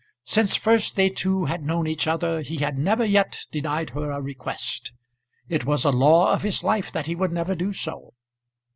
Since first they two had known each other, he had never yet denied her a request. It was a law of his life that he would never do so.